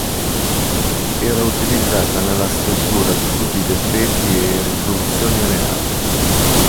Era utilizzata nella stesura di tutti i decreti e risoluzioni reali.